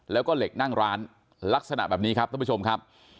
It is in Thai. แล้วก็เหล็กนั่งร้านลักษณะแบบนี้ครับท่านผู้ชมครับ